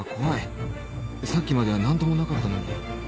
さっきまでは何ともなかったのに